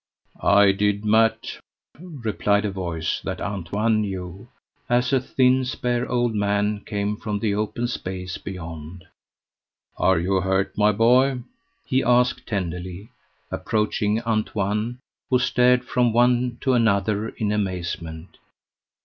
"I did, Mat," replied a voice that Antoine knew, as a thin spare old man came from the open space beyond. "Are you hurt, my boy?" he asked tenderly, approaching Antoine, who stared from one to another in amazement.